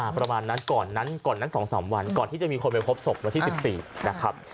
ประมาณนั้นก่อนนั้น๒๓วันก่อนที่จะมีคนไปพบศพวันที่๑๔นะครับ